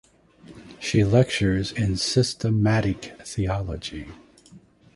She lectures in systematic theology.